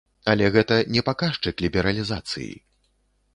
Але гэта не паказчык лібералізацыі.